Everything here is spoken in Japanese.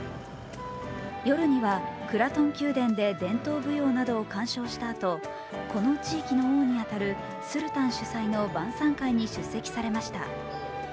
夜には、クラトン宮殿で伝統舞踊などを鑑賞したあと、この地域の王に当たるスルタン主催の晩さん会に出席されました。